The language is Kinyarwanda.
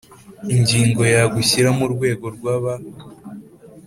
Ingingo ya gushyira mu rwego rwa ba